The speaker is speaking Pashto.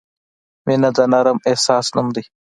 • مینه د نرم احساس نوم دی.